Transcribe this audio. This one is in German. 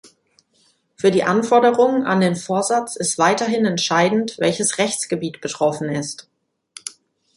Für die Anforderungen an den Vorsatz ist weiterhin entscheidend, welches Rechtsgebiet betroffen ist.